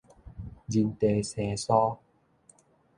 人地生疏